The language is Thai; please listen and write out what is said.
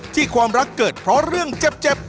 ความรักเกิดเพราะเรื่องเจ็บ